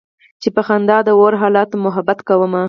چې په خندا د اور حالاتو محبت کومه